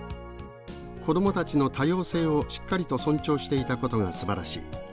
「子供たちの多様性をしっかりと尊重していたことがすばらしい。